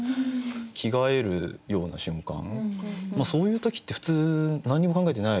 着替えるような瞬間そういう時って普通何にも考えてない。